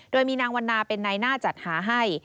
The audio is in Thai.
โดยมีนางวันนาเป็นนายหน้าจัดหาให้